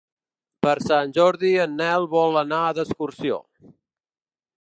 Per Sant Jordi en Nel vol anar d'excursió.